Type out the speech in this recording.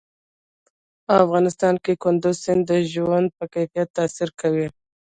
په افغانستان کې کندز سیند د ژوند په کیفیت تاثیر کوي.